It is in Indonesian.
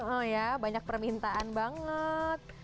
oh ya banyak permintaan banget